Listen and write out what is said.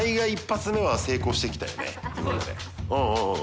今まで。